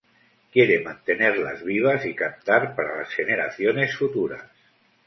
Quiere mantenerlas vivas y cantar para las generaciones futuras.